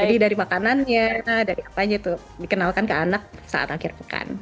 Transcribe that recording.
jadi dari makanannya dari apa aja itu dikenalkan ke anak saat akhir pekan